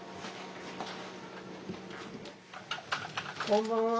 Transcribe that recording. こんばんは。